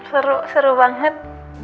seru seru banget